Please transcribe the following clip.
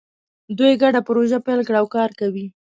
دوی ګډه پروژه پیل کړې او کار کوي